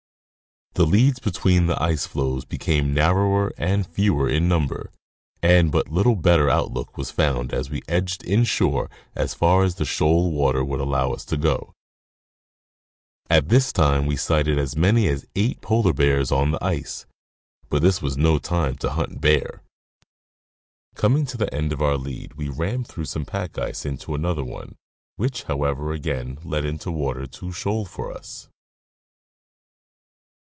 The leads between the ice floes became narrower and fewer in number, and but little better outlook was found as we edged inshore as far as the shoal water would allow us to go. At this time we sighted as many as eight polar bears on the ice, but this was no time to hunt "bear." Coming to the end of our lead we rammed through some pack ice into another one, which, however, again led into water too shoal for us.